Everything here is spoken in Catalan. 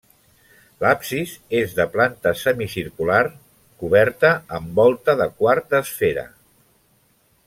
L'absis és de planta semicircular, coberta amb volta de quart d'esfera.